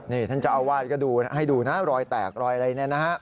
นี่ท่านเจ้าอาวาสก็ดูให้ดูนะรอยแตกรอยอะไรเนี่ยนะฮะ